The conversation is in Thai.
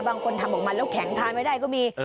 บางคนทำออกมาแล้วแข็งทานไม่ได้ก็มี